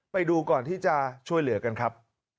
ไปดูก่อนที่จะช่วยเหลือกันครับ